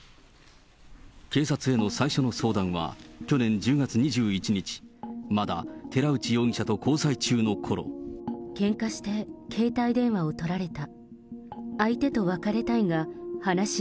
警察への最初の相談は去年１０月２１日、けんかして、携帯電話を取られた。